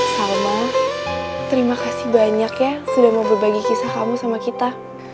salma terima kasih banyak ya sudah mau berbagi kisah kamu sama kita